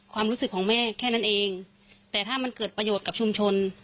ความรู้สึกของแม่แค่นั้นเองแต่ถ้ามันเกิดประโยชน์กับชุมชน